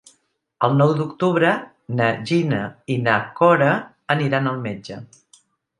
El nou d'octubre na Gina i na Cora aniran al metge.